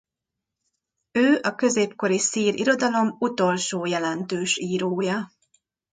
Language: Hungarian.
Ő a középkori szír irodalom utolsó jelentős írója.